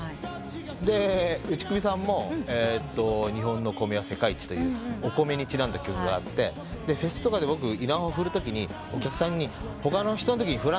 で打首さんも『日本の米は世界一』というお米にちなんだ曲があってフェスとかで僕稲穂を振るときにお客さんに他の人のとき振らないでねと言ってたんです。